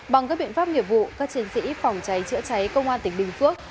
bằng các biện pháp nghiệp vụ các chiến sĩ phòng cháy chữa cháy công an tỉnh bình phước